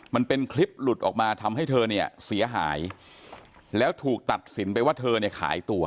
มันเป็นคลิปหลุดออกมาทำให้เธอเนี่ยเสียหายแล้วถูกตัดสินไปว่าเธอเนี่ยขายตัว